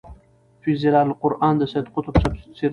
في ظِلال القُرآن د سيد قُطب تفسير دی